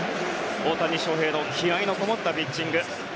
大谷翔平の気合のこもったピッチング。